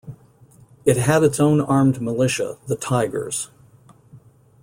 It had its own armed militia, the Tigers.